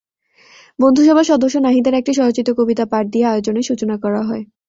বন্ধুসভার সদস্য নাহিদের একটি স্বরচিত কবিতা পাঠ দিয়ে আয়োজনের সূচনা করা হয়।